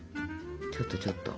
ちょっとちょっと。